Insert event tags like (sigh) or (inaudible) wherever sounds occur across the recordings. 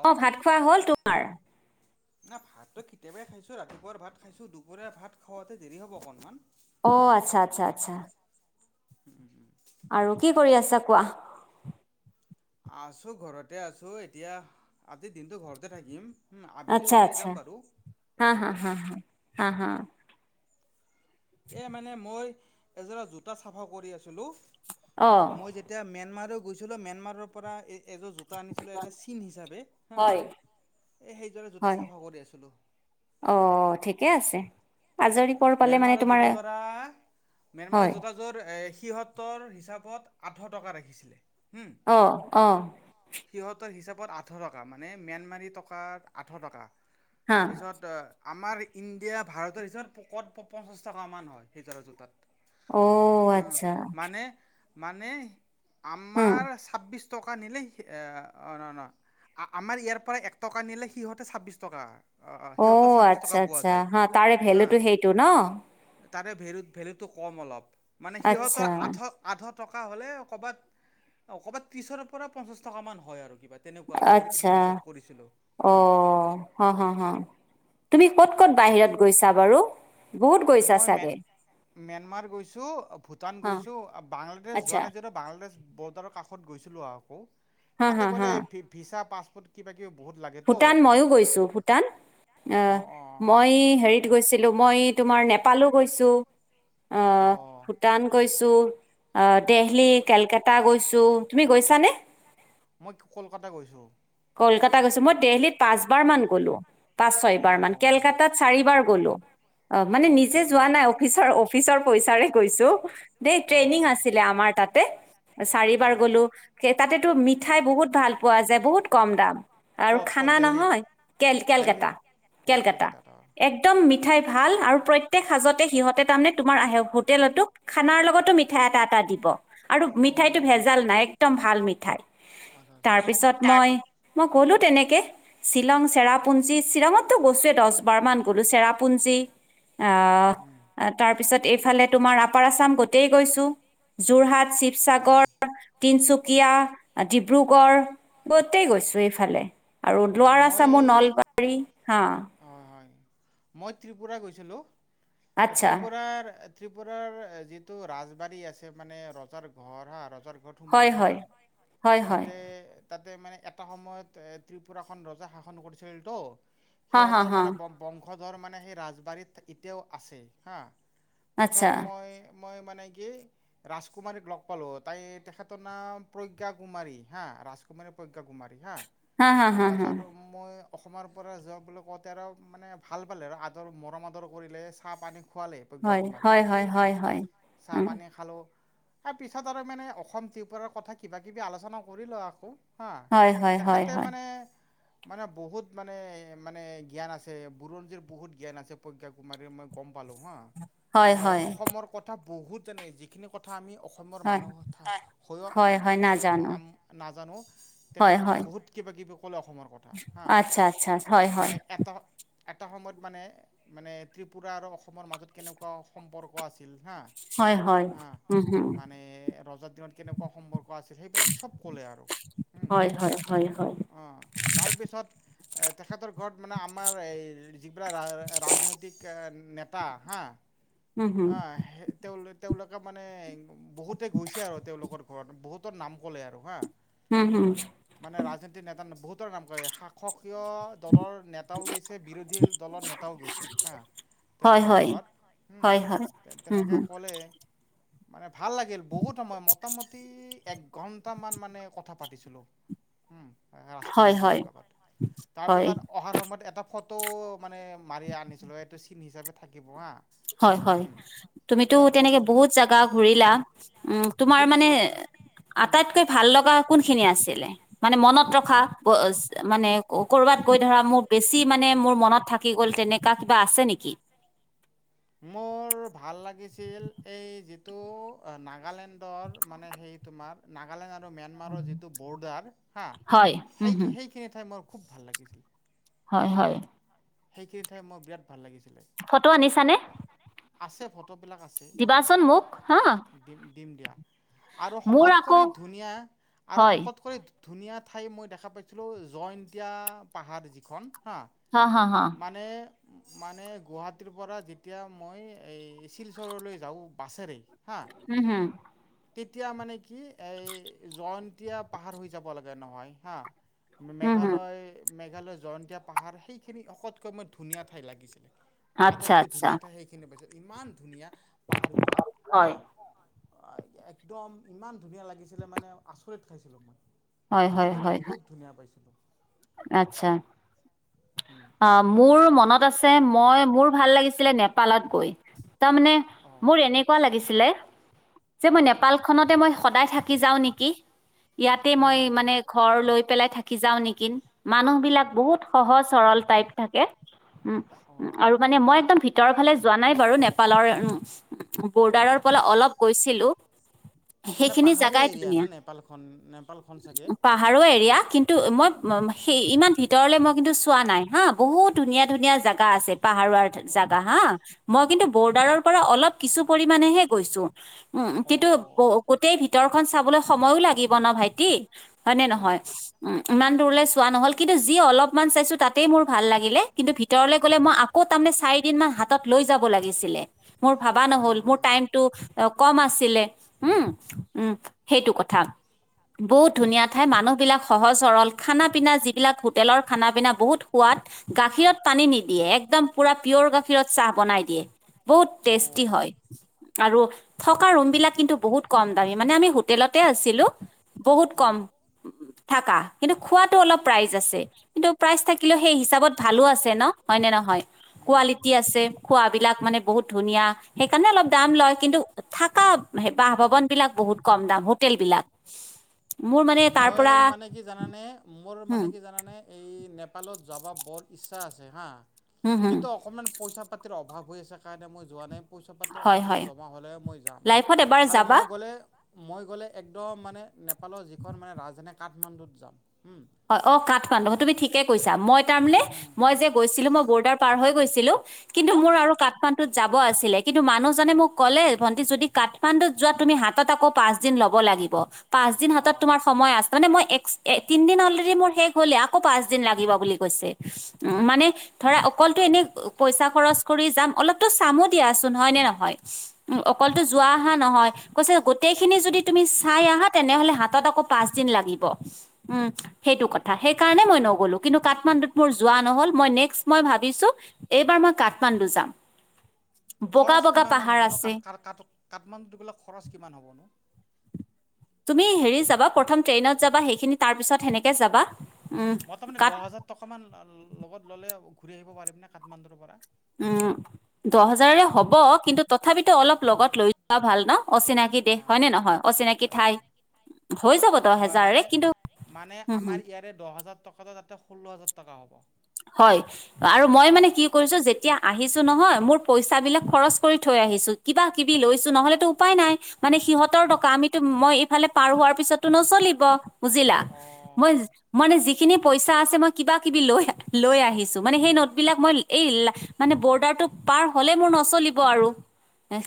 অ', অঁ, ভাত খোৱা হ'ল তোমাৰ? না ভাতো কেতিয়াবাই খাইছো, ৰাতিপুৱাৰ ভাত খাইছো, দুপৰীয়া ভাত খোৱাতে দেৰি হ'ব অকনমান। অ, আচ্ছা আচ্ছা আচ্ছা। (inaudible) আৰু কি কৰি আছা কোৱা? আছোঁ, ঘৰতে আছোঁ। এতিয়া, আজি দিনটো ঘৰতে থাকিম। আবেলি আচ্ছা ওলাই আচ্ছা। যাম বাৰু। হা হা এঠাইলৈ হা হা। হা হা। এ মানে মই, এযোৰা জোতা চাফা কৰি আছিলোঁ। অ মই যেতিয়া ম্যানমাৰো গৈছিলোঁ, ম্যানমাৰৰ পৰা এই এযোৰ জোতা আনিছিলোঁ এটা চিন হিচাপে হা। হয় এ সেইযোৰ জোতা হয় চাফা কৰি আছিলোঁ। অ, ঠিকে আ ম্যানমাৰত জোতাযোৰা, হয় ম্যানমাৰত জোতাযোৰ এ সিহঁতৰ হিচাপত আঠশ টকা ৰাখিছিলে। হুম আহ আহ। ৰত আঠশ টকা। মানে ম্যানমাৰী টকাৰ আঠশ টকা। হা পিছত আমাৰ ইণ্ডিয়া ভাৰতৰ হিচাপত, পকত- পঞ্চাছ টকামান হয়, সেই জোৰা জোতাত। অ, উম আচ্ছা। মানে মানে, হুম আমাৰ ছাব্বিশ টকা নিলেই, সি অ নহ নহয়। আমাৰ ইয়াৰ পৰা এক টকা নিলে সিহঁতে ছাব্বিশ টকা হয়। অ, আচ্ছা আচ্ছা। হা, তাৰে হা ভেলুটো সেইটো ন? তাৰে ভেলু- ভেলুটো কম অলপ। মানে আচ্ছা সিহঁতৰ আথ আঠশ টকা হলে কবাত, কবাত ত্ৰিশৰ পৰা পঞ্চাশ টকা মান হয় আৰু কিবা। তেনেকুৱা মই এদিন আচ্ছা। হিচাপ কৰিছিলোঁ অ, উম, হা হা হা। তুমি ক'ত ক'ত বাহিৰত গৈছা বাৰু? বহুত গৈছা মই মে চাগে। ম্যানমাৰ গৈছো, ভূটান হা গৈছো, বাংলাদেশ আচ্ছা যোৱা নাই যিহেতু বাংলাদেশ বৰ্ডাৰৰ কাষ শত গৈছিলো আৰু, আকৌ হা তাতে হা গ'লে হা ভিছা পাছপৰ্ট কিবা কিবি বহুত লাগেতো ভূটান ময়ো গৈছোঁ, ভূটান। অ অঁ অঁ মই এই হেৰিত গৈছিলোঁ। মই তোমাৰ নে পালো গৈছোঁ, আহ অঁ ভূটান গৈছোঁ। অ, দিল্লি কেলকাতা গৈছোঁ। তুমি গৈছা নে? মই কলকাতা গৈছোঁ। কলকাতা গৈছোঁ, মই দেলহিত পাঁচবাৰ মান গ'লোঁ। পাঁচ অঁ ছয়বাৰ মান, অঁ। কেলকাতাত চাৰিবাৰ গলো। অ। মানে গ'লোঁ অঁ আচ্ছা নিজে যোৱা নাই, অফিচাৰ- অফিচৰ আচ্ছা পইচাৰে গৈছোঁ, দেই অ ট্ৰেইনিং আছিলে আমাৰ। তাতে, অ চাৰিবাৰ গ'লো। সেই তাতেতো মিঠাই বহুত ভাল পোৱা যায়। বহুত কম দাম, আৰু ক'ত ক'ত খানা দেলহিত নহয়, কেল- কেলকাটা। দেলহিত কেলকাতা। একদম মিঠাই ভাল, আৰু প্ৰত্যেক সাজতে সিহঁতে তাৰমানে তোমাৰ আহ হোটেলতো খানাৰ লগতো মিঠাই এটা এটা টা দিব। আৰু মিঠাইটো ভেজাল নাই, একদম ভাল মিঠাই। আচ্ছা আচ্ছা আচ্ছা তাৰপিছত মই, মই গ'লো তেনেকে, শ্বিলং চেৰাপুঞী, শ্বিলঙতো গৈছোৱে দহ বাৰ মান গ'লো। চেৰাপুঞ্জী জী। আহ, আ তাৰপিছত এইফালে তোমাৰ আপাৰ আছাম গো তেই গৈছোঁ। যোৰহাট, শিৱসাগৰ, তিনচুকীয়া। ডিব্ৰুগড় গতেই গৈছো এইফালে। আৰু লোৱাৰ মই বৰা আচামো নলবাৰী হা। হয় হয় মই ত্ৰিপুৰা গৈছিলোঁ। আচ্ছা ত্ৰিপুৰাৰ ত্ৰিপুৰাৰ যিটো ৰাজবাৰী আছে মানে ৰজাৰ ঘৰ হা ৰজাৰ আগত হয় সোমালো হা হয় হয় হয় তাতে - তাতে মানে এটা সময়ত এ ত্ৰিপুৰাখন ৰজা শাসন কৰিছিল তো হা হা সিহঁতৰ হা মানে বং বংশ শধৰৰ মানে সেই ৰাজবাৰীত এতিয়াও আছে হাঁ পিছত আচ্ছা মই মই মানে কি ৰাজকুমাৰীক লগ পালোঁ। তাই - তেখেতৰ নাম প্ৰজ্ঞা কুমাৰী হা। ৰাজকুমাৰী প্ৰজ্ঞা কুমাৰী হা। হা হা হা হা পাছত মই অসমৰ পৰা যোৱা বুলি কওঁতে আৰ মানে ভাল পালে আৰু আদৰ মৰম আদৰ কৰিলে চাহ পানী খুৱালে প্ৰজ্ঞা হয় কুমাৰীয় হয় হয় হয় হয় (unintelligible) চাহ উম, পানী খালো। আৰু পিছত আৰু মানে অসম ত্ৰিপুৰাৰ কথা কিবা কিবি আলোচনা কৰিলোঁ আকৌ। হয় হয় হয়। তে হয় মানে মানে বহুত মানে মানে জ্ঞান আছে বুৰঞ্জীৰ বহুত জ্ঞান আছে প্ৰজ্ঞা কুমাৰীৰ মই গম পা পালো হা। হয় মানে হয় অসমৰ কথা বহুত জানে। যিখিনি কথা আমি অসমৰ হয় মানুহ হৈও হয় হয় অসম নাজানো আম নাজানো, হয় তেখেতে মানে হয় বহুত (unintelligible) ক'লে অসমৰ কথা হা আচ্ছা আচ্ছা হয় হয় মানে এটা এটা সময়ত মানে মানে ত্ৰিপুৰা আৰু অসমৰ মাজত কেনেকুৱা সম্পৰ্ক আছিল। হা। হয় হয়, আহ উম। হম মানে ৰজাৰ দিনত কেনেকুৱা সম্পৰ্ক আছিল সেইবিলাক চব ক'লে আৰু হম। হয় হয় হয় হয় অ' তাৰ পিছত তেখেতৰ ঘৰত মানে আমাৰ এই যিবিলাক ৰা - ৰাজনৈতিক কে - নেতা হা। উম হম আ তেওঁলোক তেওঁলোকে মানে বহুতে গৈছে আৰু তেওঁলোকৰ ঘৰত বহুতৰ নাম ক'লে আৰু হা। হুম হুম। মানে ৰাজনীতিৰ নেতা বহুতৰ কাম কৰে শাসক কীয় দলৰ নেতাও গেইছে বিৰোধীল দলৰ নেতাও গৈছে হা। হয় তেওঁলোকৰ হয় ঘৰত হয় হয় হম উম তেনেকে হম কলে। মানে ভাল লাগিল বহুত সময় মোটামুটি একঘন্টামান মানে কথা পাতিছিলোঁ। হুম, হয় হয় ৰাজকুমৰীজনীৰ লগত। হয় তাৰপিছত অহাৰ সময়ত এটা ফটো মানে মাৰি আনিছিলোঁ এইটো চিন হিচাপে থাকিব হা। হয় হয়, উম, তুমিতো এটা ফটো তেনেকে বহুত জাগা ঘুৰিলা। উম তোমাৰ মানে ঘূৰিছোঁ অক উম, আটাইতকৈ ভাল লগা কোনখিনি আছিলে মানে মনত ৰখা? (unintelligible) মানে কৰ'বাত কৈ ধৰা মোৰ বেছি মানে মোৰ মনত থাকি গ'ল তেনেক কা কিবা আছে নেকি? মোৰ ভাল লাগিছিল এই যিটো নাগালেণ্ডৰ মানে সেই তোমাৰ নাগালেণ্ড আৰু আৰু ম্যানমাৰৰ যিটো বৰ্ডাৰ হা হয় উম হম সেইখি - সেইখিনি ঠাই মোৰ খুব ভাল লাগিল। হয় হয়। সেইখিনি ঠাই মই বিৰাট ভাল লাগিছিলে। চানে? আছে ফটোবিলাক আছে। হা দিম, দিম দিয়া আৰু মোৰ শকত আকৌ কৰি ধুনীয়া আৰু হয় শকত কৰি ধুনীয়া ঠাই মই দেখা পাইছিলো জয়ন্তীয়া পাহাৰ যিখন হা হা হা মানে - মানে গুৱাহাটীৰ পৰা যেতিয়া মই এই চিলচৰলৈ যাউ বাছেৰে‌ উম হম। তেতিয়া মানে কি এই জয়ন্তীয়া পাহাৰ হৈ যাব লাগে নহয় হা। হুম হুম মেঘালয় - মেঘালয় জয়ন্তীয়া পাহাৰ সেইখিনি অকতকৈ মই ধুনীয়া ঠাই লাগিছিলে। আটাইতকৈ আচ্ছা। আচ্ছা ধুনীয়া ঠাই সেইখিনি পাইছো, ইমান ধুনীয়া পাহাৰ বিলাক হা। হয় একদম ইমান ধুনীয়া লাগিছিলে মানে আচৰিত খাইছিলো মই। হয় হয় সেইখিনি হয় হয় বহুত ধুনীয়া পাইছিলোঁ। আচ্ছা। অ' মোৰ মনত আছে মই মোৰ ভাল লাগিছিলে নেপালত গৈ। তাৰমানে অঁ মোৰ এনেকুৱা লাগিছিলে যে মই নেপালখনতে মই সদায় থাকি যাওঁ নেকি! ইয়াতে মই মানে ঘৰ লৈ পেলাই থাকি যাও নেকিন! মানুহ বিলাক বহুত সহজ সৰল টাইপ থাকে উম উ অঁ আৰু মানে মই একদম ভি তৰৰ ফালে যোৱা নাই বাৰু নেপালৰ উ বৰ্ডাৰৰ পৰা অলপ গৈছিলো। (inaudible) মানে সেইখিনি পাহাৰীয়া জাগাই এৰিয়া ধুনীয়া। না নেপালখন নেপালখন চাগে পাহাৰো এৰিয়া কিন্তু মই সেই ইমান ভিতৰলে মই কিন্তু চোৱা নাই হা বহুত ধুনীয়া ধুনীয়া জাগা আছে। পাহাৰুৱাৰ জাগা হা মই কিন্তু বৰ্ডাৰৰ পৰা অলপ কিছু পৰিমানেহে গৈছোঁ। উম কিন্তু অঁ গো - গোটেই ভিতৰখন চাবলৈ সময়ো লাগিব ন ভাইটি। হয় নে নহয়? অঁ উম ইমান দূৰলৈ চোৱা নহ'ল কিন্তু যি অলপ মান চাইছো তাতেই মোৰ ভাল লাগিলে। কিন্তু ভিতৰলৈ গ'লে মই আকৌ তাৰমানে চাৰি দিন মান হাতত লৈ যাব লাগিছিল। লে। মোৰ ভাবা অ' নহ'ল, মোৰ টাইম অ‌ টো কম আছিলে। উম উম সেইটো। কথা। বহুত ধুনীয়া ঠাই, মানুহ বিলাক সহজ সৰল। খানা পিনা যিবিলাক হোটেলৰ না পিনা বহুত সোৱাদ গাখীৰত পানী নিদিয়ে একদম পুৰা পিয়ৰ গাখীৰত চাহ বনাই দিয়ে। বহুত টেষ্টি উম, হয়। আৰু থকা ৰুম বিলাক কিন্তু বহুত কম দামী মানে আমি হোটেলতে আছিলো বহুত কম। থাকা কিন্তু খোৱাটো অলপ প্ৰাইজ আছে। কিন্তু প্ৰাইচ থাকিলেও সেই হিচাপত ভালো আছে ন' হয়নে নহয়? কোৱালিটি উম। আছে খোৱাবিলাক মানে বহুত ধুনীয়া সেইকাৰণে অলপ দাম লয় কিন্তু থাকা বাহ ভৱন বিলাক বহুত কম দাম হ হোটেল বিলাক মোৰ মানে তাৰ মোৰ পৰা মানে কি জানানে মোৰ হুম, মানে কি জানানে এই নেপালত যাব বৰ ইচ্ছা আছে হা হুম, হুম, কিন্তু অকমান পইচা পাতিৰ অভাৱ হৈ আছে কাৰণে মই যোৱা নাই। পইচা পাতি হয়, অকণমান হয়। জমা হ'লে মই যাম লাইফত এবাৰ আৰু যাবা। মই গ'লে মই গ'লে একদম মানে নেপালৰ যিখন মানে ৰাজধানী কাঠমাণ্ডুত যাম। উম। হয় অ কাঠমাণ্ডু তুমি ঠিকে কৈছা মই তাৰমানে উম। মই যে গৈছিলো মই বৰ্ডাৰ পাৰ হৈ গৈছিলোঁ কিন্তু মোৰ আৰু কাঠমাণ্ডুত‌ যা ব আছিলে কিন্তু মানুহজনে মোক ক'লে ভন্টি যদি কাঠমাণ্ডুত যোৱা তুমি হাতত আকৌ পাঁচ দিন ল'ব লাগিব। পাঁচ দিন হাতত অ'। তোমাৰ সময় আছে তামানে মই এক্স এ তিন দিন হল (unintelligible) মোৰ শেষ হলে আকৌ পাঁচ দিন লাগিব বুলি কৈছে উ মানে ধৰা অকলটো এনে পইচা খৰচ কৰি যাম অলপতো চামো দিয়াচোন হয়নে নহয়? অ অকলটো যোৱা আহা নহয়। কৈছে গোতেই খিনি যদি তুমি চাই আহা তেনেহলে হাতত আকৌ পাঁচ দিন লাগিব, উম। সেইটো কথা সেই কাৰণে মই নগ'লো কিন্তু কাঠমাণ্ডুত মোৰ যোৱা নহল মই নেক্স মই ভাবিছো এইবাৰ মই কাঠমাণ্ডু যাম। বগা খৰচ বগা কিমান মান পাহাৰ হ'ব নো আছে কাঠ - কাৰ - কাঠ - কাঠমাণ্ডু গলে খৰচ কিমান হ'ব? তুমি হেৰি যাবা প্ৰথম ট্ৰেইনত যাবা সেইখিনি তাৰ পিছত সেনেকে যাবা। উম মই ত মানে কাঠ দহ হাজাৰ টকা মান লগত ললে ঘূৰি আহিব পাৰিম নে কাঠমাণ্ডুৰ পৰা? উম। দহ হাজাৰে হব কিন্তু তথাপিতো অলপ লগত লৈ যোৱা ভাল ন অচিনাকি দেশ হয়নে নহয় অচিনা নাকি ঠাই। হৈ যাব দহ হয় হেজাৰৰে মানে কিন্তু - মানে হম হম আমাৰ ইয়াৰে দহ হাজাৰ টকাটো তাতে ষোল্ল হাজাৰ টকা হ'ব। হয় আৰু মই উম, মানে কি কৰিছো যেতিয়া আহিছো নহয় মোৰ পইচা বিলাক খৰচ কৰি থৈ আহিছো কিবা কিবি লৈছো নহলেতো উপায় নাই মানে সিহঁত। উম, টকা আমিতো মই এইফালে পাৰ হোৱাৰ পিছতো নচলিব। বুজিলা মই অ', মানে যিখিনি পইচা আছে মই কিবা কিবি লৈ। লৈ আহিছো মানে সেই নোটবিলাক মই এই মানে বৰ্ডাৰটো পাৰ হ'লে মোৰ নচলিব আৰু।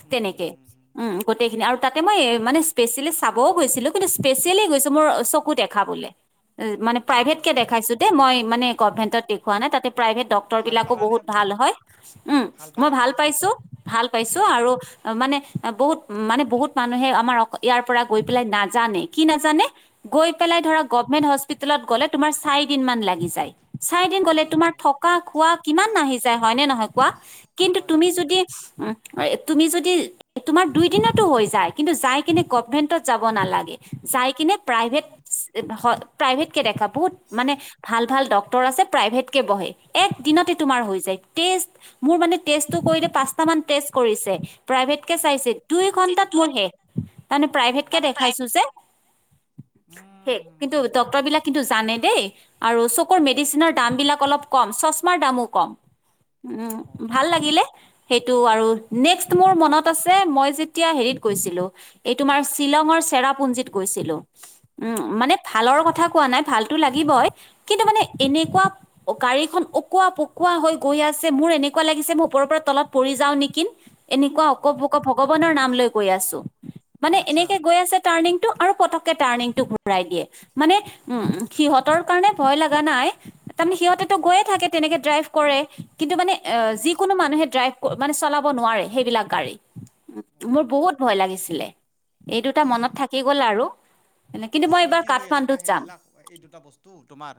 উম, হুম, তেনেকে হুম, হুম। উম গোটেইখিনি আৰু। তাতে মই মানে স্পেচিয়েলি চাবও গৈছিলো কিন্তু স্পেচিয়েলি গৈছো মোৰ চকু দেখা বলে। মানে প্ৰাইভেট কে অঁ দেখাইছো দে মই মানে গভেন্টত। দেখুওৱা নাই তাতে প্ৰাইভেট ডক্টৰ ভাল বিলাকো পালানে বহুত ভ ভাল হয় উ মই পালানে ভাল পিছত? পাইছো ভাল পাইছো। ছো আৰু অ মানে বহুত মানে বহুত মানুহে আমাৰ ইয়াৰ পৰা গৈ পেলাই নাজানে কি নাজানে। গৈ পেলায় মানে গভৰ্ণমেণ্ট হস্পিটেলত গ'লে তোমাৰ চাৰি দিনমান লাগি যায়। চাৰি দিন অঁ গ'লে তোমাৰ থকা খোৱা কিমান নাহি যায় হয়নে নহয় কোৱা। কিন্তু হয় তুমি হয় হয় যদি উ। তুমি যদি তোমাৰ দুই দিনতো হৈ যায় কিন্তু যাই কিনে গভভেন্টত যাব নালাগে। যাই কিনে প্ৰাইভেট হয় প্ৰাইভেট কে দেখা বহুত মানে ভাল ভাল ড ডক্টৰ আছে প্ৰায়ভেট কে বহে এক‌ দিনতে তোমাৰ হৈ যায় টেষ্ট মোৰ মানে কৰিলে পাঁচটা মানত টেষ্ট কৰিছে। প্ৰাইভেট কেে চাইছে দুই ঘন্টাত মোৰ শেষ তাৰমানে প্ৰাইভেটকে দেখাইছো যে। সেই কিন্তু হয় দিয়া ডক্তৰ বিলাক কিন্তু জানে দেই আৰু চুৰ মে। মেচিনৰ দাম বিলাক অলপ কম চশমাৰ দামো কম। উম অ'কে ভাল লাগিলে সেইটো আৰু। নেক্স মোৰ মনত আছে মই যেতিয়া হেৰিত গৈছিলো। তোমাৰ শ্বিলঙৰ চেৰাপুঞ্জীত গৈছিলো উ মানে ভালৰ কথা। কোৱা নাই ভালতো লাগিবই। কিন্তু মানে এনেকুৱা গাড়ীখন অকোৱা পকোৱা হৈ গৈ আছে মোৰ এনেকুৱা লাগিছে মোৰ ওপৰৰ পৰা। তলত পৰি যাওঁ নেকিম। এনেকুৱা অকোপক অঁ ভগৱানৰ নাম লৈ গৈ আছো মানে আচ্ছা এনেকে গৈ আছে টাৰ্ণিং। আৰু পটকে টাৰ্ণিংটো ঘূৰাই দিয়ে মানে উ সিহঁতৰ কাৰণে। ভয় লগা নাই তাৰমানে সিহঁতেতো উম গৈয়ে থাকে তেনেকে ড্ৰাইভ কৰে। কিন্তু মানে উম। যিকোনো মানুহে ড্ৰাইভ মানে চলাব নোৱাৰে সেইবিলাক গাড়ী। মোৰ অঁ বহুত ভয় লাগিছিলে এই দুটা মনত থাকি গ'ল আৰু। এনে- কিন্তু মই এইবাৰ স্মৃতি হৈ আছে না কাঠমাণ্ডুত যাম সেইবিলাক এই দুটা বস্তু। তোমাৰ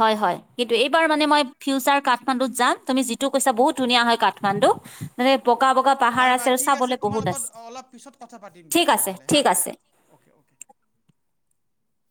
হয় হয় কিন্তু এইবাৰ মানে অঁ মই ফিউচাৰ কাঠমাণ্ডু যাম তুমি যিটো কৈছা বহুত ধুনীয়া হয় কাঠমাণ্ডু মানে। বকা বকা পাহাৰ হয় আছে বাৰু আৰু ঠিক চাবলে তোমাৰ বহুত লগত আছে অলপ পিছত কথা পাতিম দিয়া ঠিক আছে তেনেহ'লে হা ঠিক আছে। Okay okay. (unintelligible)